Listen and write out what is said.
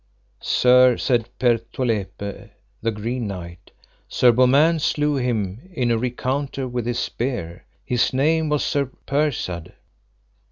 Sir, said Pertolepe, the Green Knight, Sir Beaumains slew him in a recounter with his spear, his name was Sir Percard.